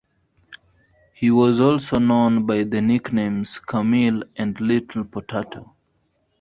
He was also known by the nicknames "Camile" and "Little Potato.